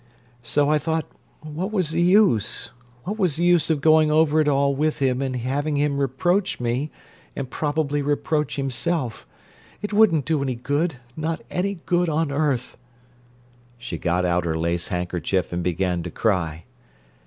So I thought: What was the use? What was the use of going over it all with him and having him reproach me, and probably reproach himself? It wouldn't do any good—not any good on earth." She got out her lace handkerchief and began to cry.